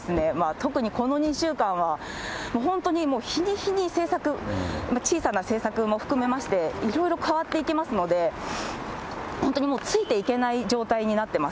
特にこの２週間は本当にもう、日に日に政策、小さな政策も含めまして、いろいろ変わっていきますので、本当にもう、ついていけない状態になっています。